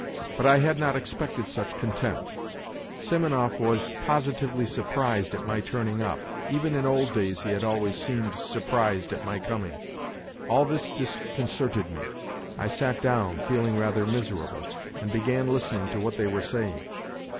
But I had not expected such contempt. Simonov was positively surprised at my turning up. Even in old days he had always seemed surprised at my coming. All this disconcerted me : I sat down, feeling rather miserable, and began listening to what they were saying.